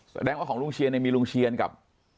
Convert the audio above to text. แสดงว่าของลุงเชียนเนี่ยมีลุงเชียนกับ